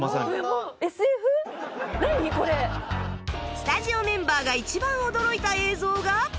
スタジオメンバーが一番驚いた映像が